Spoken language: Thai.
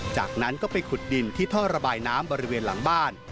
จากนั้นก็ไปขุดดินที่ท่อระบายน้ำบริเวณหลังบ้าน